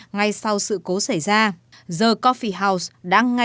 ngay sau sự cố xảy ra the coffee house đăng ngay